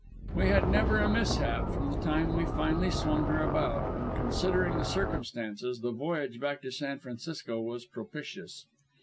We had never a mishap from the time we finally swung her about; and, considering the circumstances, the voyage back to San Francisco was propitious.